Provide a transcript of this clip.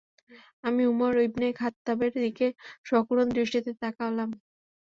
আমি Umar ibn খাত্তাবের দিকে সকরুণ দৃষ্টিতে তাকালাম।